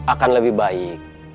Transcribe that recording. akan lebih baik